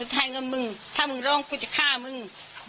ถ้ามึงร้องกูจะฆ่ามึง